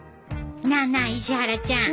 なあなあ石原ちゃん